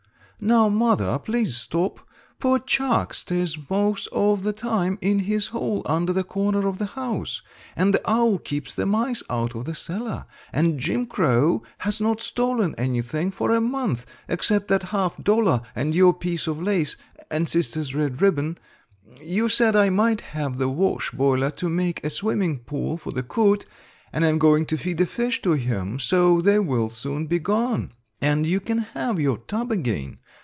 "Now, mother, please stop; poor Chuck stays most of the time in his hole under the corner of the house, and the owl keeps the mice out of the cellar, and Jim Crow has not stolen anything for a month except that half dollar and your piece of lace and sister's red ribbon. You said I might have the wash boiler to make a swimming pool for the coot, and I am going to feed the fish to him, so they will soon be gone and you can have your tub again.